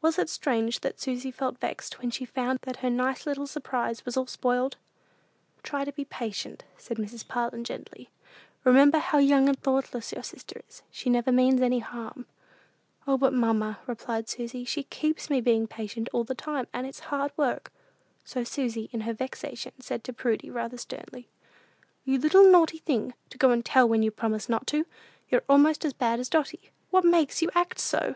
Was it strange that Susy felt vexed when she found that her nice little surprise was all spoiled? "Try to be patient," said Mrs. Parlin, gently. "Remember how young and thoughtless your sister is. She never means any harm." "O, but, mamma," replied Susy, "she keeps me being patient all the whole time, and it's hard work." So Susy, in her vexation, said to Prudy, rather sternly, "You little naughty thing, to go and tell when you promised not to! You're almost as bad as Dotty. What makes you act so?"